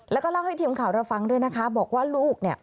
แล้วก็เล่าให้ทีมข่าวเราฟังด้วยนะคะบอกว่าลูกเนี่ย